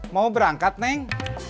mau berangkat neng